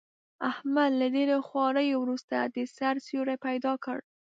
احمد له ډېرو خواریو ورسته، د سر سیوری پیدا کړ.